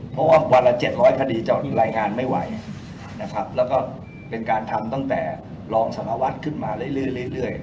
เพราะว่าวันละ๗๐๐พอดีจะรายงานไม่ไหวนะครับแล้วก็เป็นการทำตั้งแต่รองสมวัติขึ้นมาเรื่อยเรื่อย